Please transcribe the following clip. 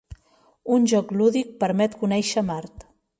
Un joc lúdic permet conèixer Mart